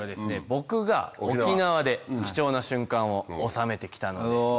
僕が沖縄で貴重な瞬間を収めて来たので。